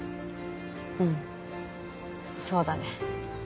うんそうだね